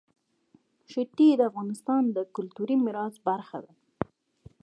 ښتې د افغانستان د کلتوري میراث برخه ده.